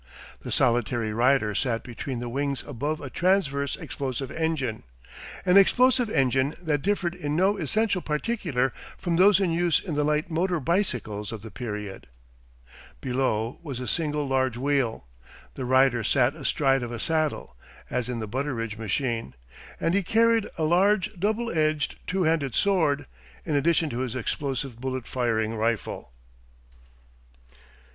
The solitary rider sat between the wings above a transverse explosive engine, an explosive engine that differed in no essential particular from those in use in the light motor bicycles of the period. Below was a single large wheel. The rider sat astride of a saddle, as in the Butteridge machine, and he carried a large double edged two handed sword, in addition to his explosive bullet firing rifle.